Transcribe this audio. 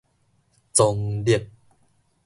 藏匿